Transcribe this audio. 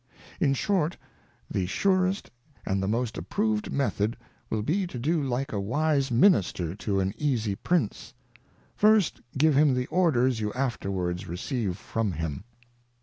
__In short, the surest and the most approved method will be to do like a v/\bq Minister to an easie Prince ; first give him the Orders you afterwards receive from him.